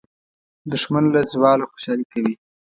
دښمن له زواله خوشالي کوي